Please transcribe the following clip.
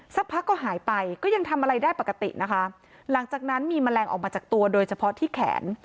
สักพักก็หายไปก็ยังทำอะไรได้ปกตินะคะหลังจากนั้นมีแมลงออกมาจากตัวโดยเฉพาะที่แขน